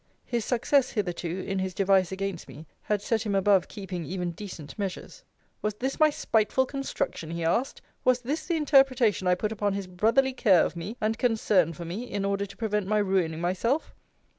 His success hitherto, in his device against me, had set him above keeping even decent measures. Was this my spiteful construction? he asked Was this the interpretation I put upon his brotherly care of me, and concern for me, in order to prevent my ruining myself?